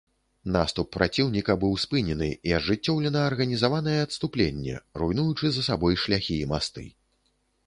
Наступ праціўніка быў спынены і ажыццёўлена арганізаванае адступленне, руйнуючы за сабой шляхі і масты.